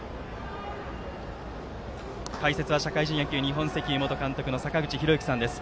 解説は社会人野球日本石油元監督の坂口裕之さんです。